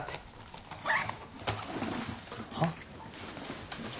はっ？